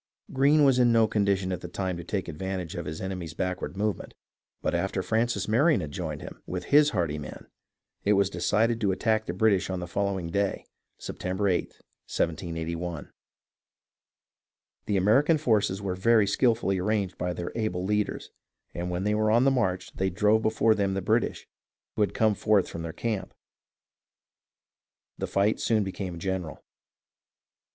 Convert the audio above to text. Greene was in no condition at the time to take advantage of his enemy's backward movement ; but after Francis Marion had joined him with his hardy men, it was de cided to attack the British on the following day, Septem ber 8th, 1 78 1. The American forces were very skilfully arranged by their able leaders, and when they were on the march they drove before them the British, who had come forth from their camp. The fight soon became general.